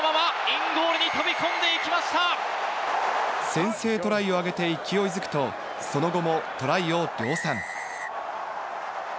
先制トライを挙げていきおいづくと、その後もトライを量産。